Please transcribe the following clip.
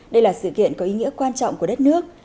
đây là sự kiện có ý nghĩa quan trọng của đất nước